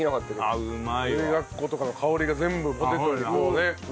いぶりがっことかの香りが全部ポテトにこうね。